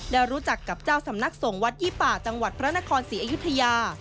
ได้รู้จักกับเจ้าสำนักส่งวัดยี่ป่าจังหวัดพระนครศรีอยุธยา